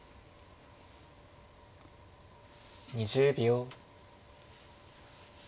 ２０秒。